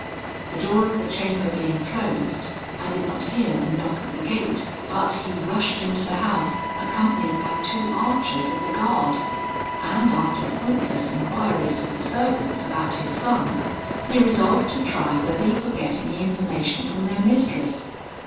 The door of the chamber being closed, I did not hear the knock at the gate, but he rushed into the house, accompanied by two archers of the guard, and after fruitless enquiries of the servants about his son, he resolved to try whether he could get any information from their mistress.